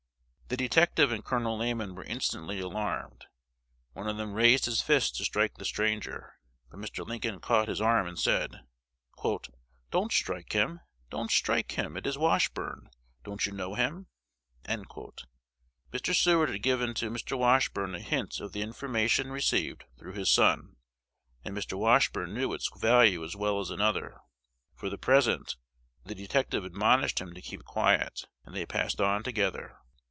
The detective and Col. Lamon were instantly alarmed. One of them raised his fist to strike the stranger; but Mr. Lincoln caught his arm, and said, "Don't strike him! don't strike him! It is Washburne. Don't you know him?" Mr. Seward had given to Mr. Washburne a hint of the information received through his son; and Mr. Washburne knew its value as well as another. For the present, the detective admonished him to keep quiet; and they passed on together.